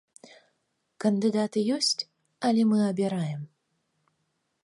Кандыдаты ёсць, але мы абіраем.